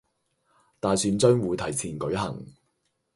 大選將會提前舉行